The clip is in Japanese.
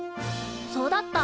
そうだった。